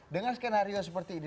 dengan skenario seperti ini